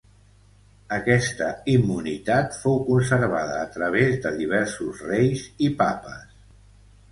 Aquesta immunitat fou conservada a través de diversos reis i papes.